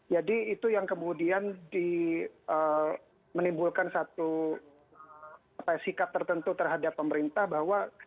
jadi itu yang kemudian menimbulkan satu sikap tertentu terhadap pemerintah bahwa